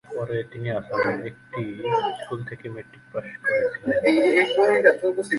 পরে তিনি আসামের একটি স্কুল থেকে ম্যাট্রিক পাস করেছিলেন।